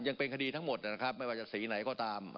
ยังเป็นคดีทั้งหมดนะครับไม่ว่าจะสีไหนก็ตาม